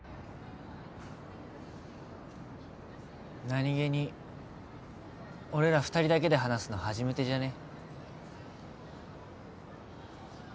何気に俺ら２人だけで話すの初めてじゃね？